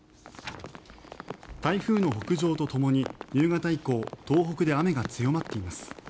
台風の北上とともに夕方以降、東北で雨が強まっています。